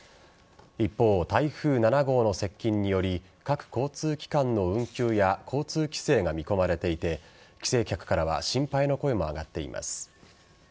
一方、台風７号の接近により各交通機関の運休や交通規制が見込まれていて帰省客からは心配の声も上がっています。